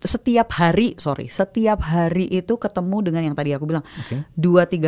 setiap hari itu ketemu dengan yang tadi aku bilang